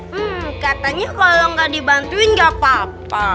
hmm katanya kalau nggak dibantuin gak apa apa